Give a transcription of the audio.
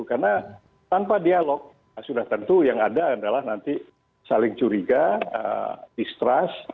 karena tanpa dialog sudah tentu yang ada adalah nanti saling curiga distrust